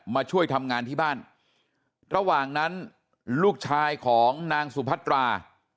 มาช่วยทำงานที่บ้านระหว่างนั้นลูกชายของนางสุพัตรา